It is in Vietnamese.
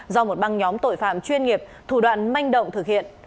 do một băng nhóm tội phạm chuyên nghiệp thủ đoạn manh động thực hiện